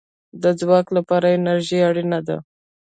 د ځواک لپاره انرژي اړین ده